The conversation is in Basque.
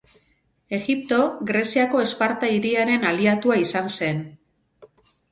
Egipto, Greziako Esparta hiriaren aliatua izan zen.